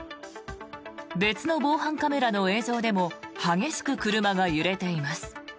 別の防犯カメラの映像でも激しく車が揺れています。